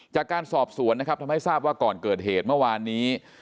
จากการสอบสวนนะครับทำให้ทราบว่าก่อนเกิดเหตุเมื่อวานนี้